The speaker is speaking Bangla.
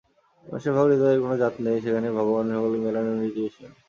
মানুষের হৃদয়ের তো কোনো জাত নেই–সেইখানেই ভগবান সকলকে মেলান এবং নিজে এসেও মেলেন।